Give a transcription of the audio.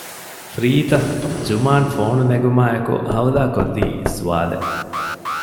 ފްރީތަ؟ ޖުމާން ފޯނު ނެގުމާއެކު ހައުލާ ކޮށްލީ ސްވާލެއް